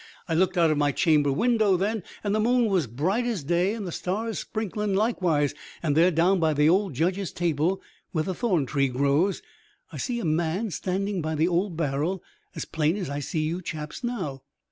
"I looked out of my chamber window then, and the moon was bright as day, and the stars sparkling likewise; and there, down by 'the Judge's Table' where the thorn tree grows, I see a man standing by the old barrel as plain as I see you chaps now."